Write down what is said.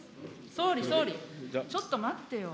総理、総理、ちょっと待ってよ。